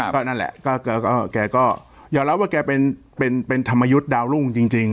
ก็นั่นแหละแกก็ยอมรับว่าแกเป็นธรรมยุทธ์ดาวรุ่งจริง